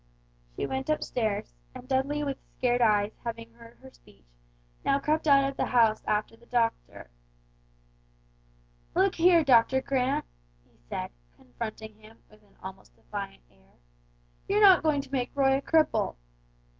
She went upstairs, and Dudley with scared eyes having heard her speech now crept out of the house after the doctor. "Look here, Doctor Grant," he said, confronting him with an almost defiant air: "you're not going to make Roy a cripple!"